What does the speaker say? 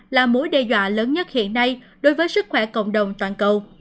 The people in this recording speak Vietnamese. là mối đe dọa lớn nhất hiện nay đối với sức khỏe cộng đồng toàn cầu